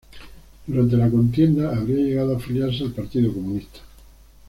Durante la contienda habría llegado a afiliarse al Partido Comunista.